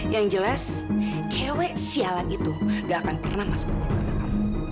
yang jelas cewek sialan itu gak akan pernah masuk ke keluarga kamu